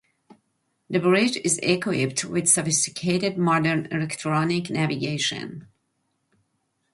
The bridge is equipped with sophisticated modern electronic navigation instruments.